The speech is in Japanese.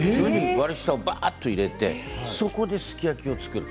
割り下を、ばっと入れてそこですき焼きを作る。